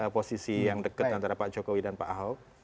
posisi yang dekat antara pak jokowi dan pak ahok